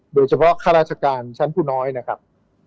โดยเฉพาะข้าราชการชั้นผู้น้อยนะครับ